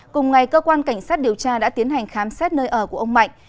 cùng ngày cơ quan cảnh sát điều tra đã tiến hành khám xét nơi ở của ông mạnh